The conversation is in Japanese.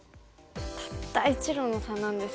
たった１路の差なんですけどね。